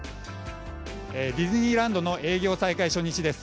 ディズニーランドの営業再開初日です。